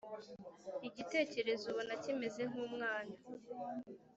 igitekerezo ubona kimeze nkumwana